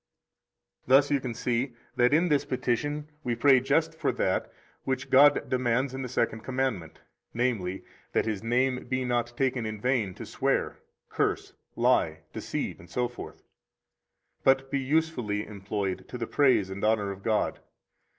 45 Thus you see that in this petition we pray just for that which God demands in the Second Commandment; namely, that His name be not taken in vain to swear, curse, lie, deceive, etc., but be usefully employed to the praise and honor of God.